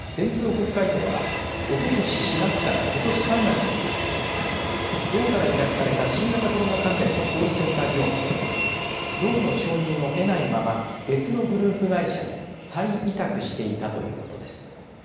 北海道はおととし４月からことし３月にかけて道から委託された新型コロナ関連のコールセンター業務で道の承認を得ないまま別のグループ会社に再委託していたということです。